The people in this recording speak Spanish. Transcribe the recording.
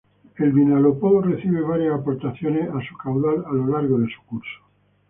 El Vinalopó recibe varias aportaciones a su caudal a lo largo de su curso.